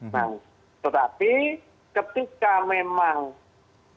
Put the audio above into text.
nah tetapi ketika memang